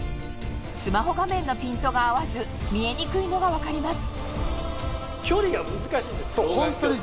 スマホ画面のピントが合わず見えにくいのが分かります